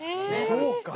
そうか。